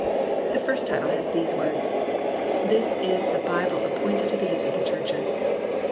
The first title has these words :" This is the Byble apoynted to the use of the Churches."